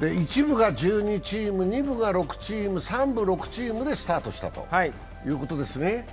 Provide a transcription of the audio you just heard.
１部が１２チーム、２部が６チーム、３部、６チームでスタートしたということですね。